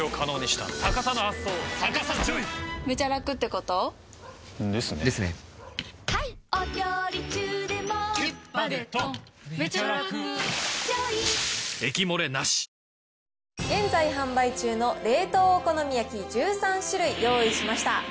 これ、現在販売中の冷凍お好み焼き１３種類用意しました。